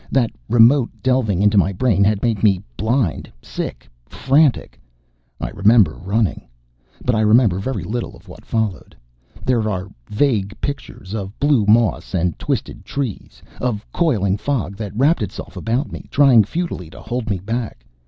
That remote delving into my brain had made me blind, sick, frantic. I remember running.... But I remember very little of what followed. There are vague pictures of blue moss and twisted trees, of coiling fog that wrapped itself about me, trying futilely to hold me back.